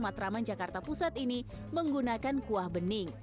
matraman jakarta pusat ini menggunakan kuah bening